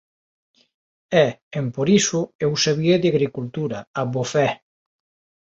E, emporiso, eu sabía de agricultura, abofé.